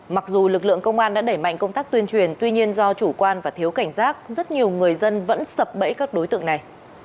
mặc dù lực lượng công an đã đẩy mạnh công tác tuyên truyền tuy nhiên do chủ quan và thiếu cảnh giác rất nhiều người dân vẫn sập bẫy các đối tượng này